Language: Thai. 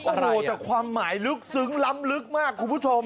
โอ้โหแต่ความหมายลึกซึ้งล้ำลึกมากคุณผู้ชม